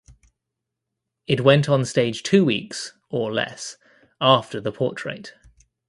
It went on stage two weeks (or less) after the Portrait.